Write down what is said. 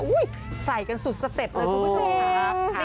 อุ้ยใส่กันสุดสเต็ดเลยทุกผู้ชมนะครับ